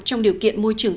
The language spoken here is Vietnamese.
trong điều kiện môi trường